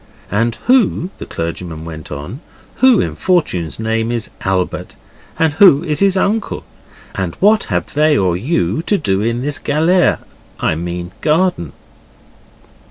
'And who,' the clergyman went on, 'who in fortune's name is Albert? And who is his uncle? And what have they or you to do in this galere I mean garden?